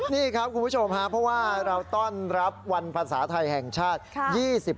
นี่ครับคุณผู้ชมเราต้อนรับวันภาษาไทยแห่งชาติ